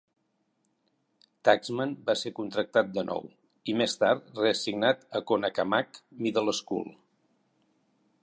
Taxman va ser contractat de nou, i més tard reassignat a Conackamack Middle School.